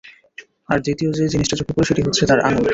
আর দ্বিতীয় যে জিনিসটি চোখে পড়ে, সেটি হচ্ছে তার আঙ্গুল।